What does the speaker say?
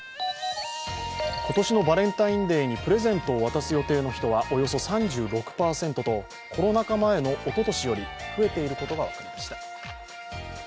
今年のバレンタインデーにプレゼントを渡す予定の人はおよそ３６％とコロナ禍前のおととしより増えていることが分かりました。